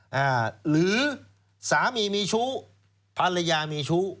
ใช่ครับหรือสามีมีชู้ภรรยามีชู้